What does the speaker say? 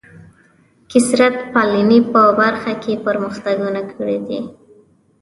کثرت پالنې په برخه کې پرمختګونه کړي دي.